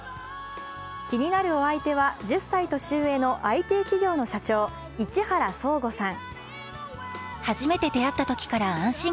気になるお相手は１０歳年上のＩＴ企業の社長、市原創吾さん。